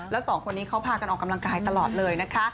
แล้วสองคนนี้เขาพากันออกกำลังกายตลอดเลยนะคะ